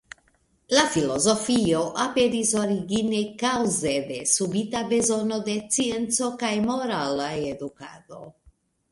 La filozofio aperis origine kaŭze de subita bezono de scienco kaj morala edukado.